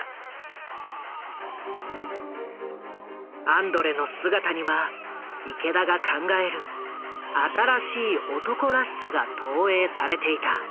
アンドレの姿には池田が考える新しい男らしさが投影されていた。